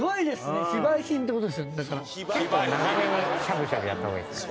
・長めにしゃぶしゃぶやった方がいいです。